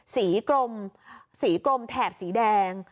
กลมสีกลมแถบสีแดง